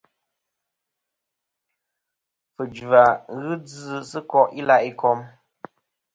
Fujva ghɨ djɨ sɨ ko' i la' ikom.